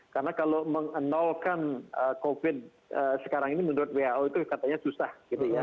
karena kalau menolkan covid sembilan belas sekarang ini menurut who itu katanya susah gitu ya